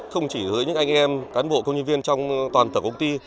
không chỉ với những anh em cán bộ công nhân viên trong toàn thở công ty